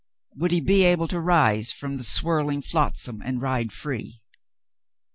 Would he be able to rise from the swirling flotsam and ride free ?